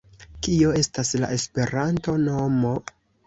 - Kio estas la Esperanto-nomo?